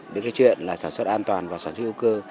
đến cái chuyện là sản xuất an toàn và sản xuất hữu cơ